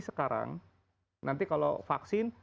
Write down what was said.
sekarang nanti kalau vaksin